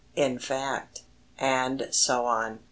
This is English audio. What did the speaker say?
in fact...." and so on.